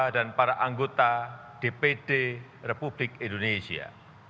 dan para anggota dpd republik indonesia